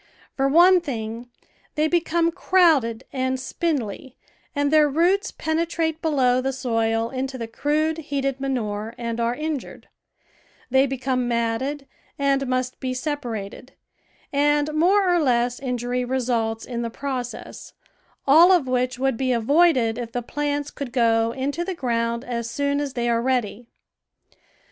For one thing, they become crowded and sj^indly and their roots penetrate below the soil into the crude, heated manure and are injured; they be come matted and must be separated, and more or less injury results in the process, all of which would be avoided if the plants could go into the ground as soon as they are ready.